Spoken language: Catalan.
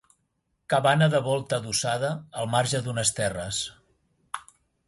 Cabana de volta adossada al marge d'unes terres.